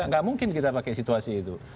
nggak mungkin kita pakai situasi itu